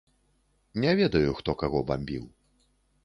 Не ведаю, хто каго бамбіў.